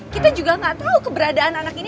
kita juga gak tahu keberadaan anak ini